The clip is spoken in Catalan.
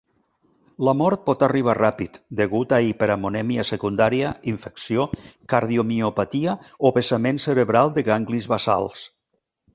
La mort pot arribar ràpid, degut a hiperamonèmia secundària, infecció, cardiomiopatia o vessament cerebral de ganglis basals.